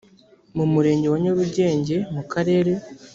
mu murenge wa nyarugenge mu karere